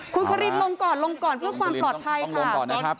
คุณครินลงก่อนลงก่อนเพื่อความปลอดภัยค่ะ